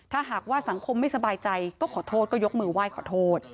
ถ้าหากว่าสังคมไม่สบายใจก็ขอโทษก็ยกมือไหว้ขอโทษ